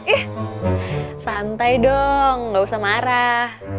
eh santai dong gak usah marah